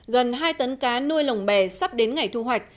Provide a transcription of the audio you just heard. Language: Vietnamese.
gần hai tấn cá nuôi lồng bè sắp đến ngày thu hoạch